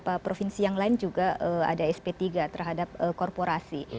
beberapa provinsi yang lain juga ada sp tiga terhadap korporasi